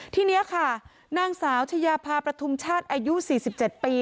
ทีนี้ค่ะนางสาวชายาพาประทุมชาติอายุ๔๗ปี